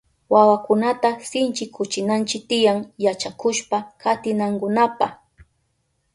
Wawakunata sinchikuchinanchi tiyan yachakushpa katinankunapa.